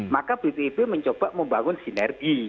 maka bpip mencoba membangun sinergi